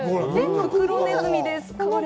フクロネズミです。